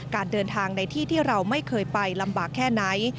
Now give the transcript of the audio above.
การเดินทางในที่ที่เราไม่เคยไปลำบากแค่ไหน